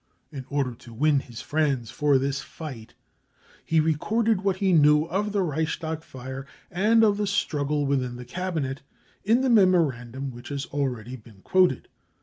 In order to win his friends for this fight he recorded what he knew of the Reichstag fire and of the struggle within the Cabinet, in the memorandum which has already been quoted.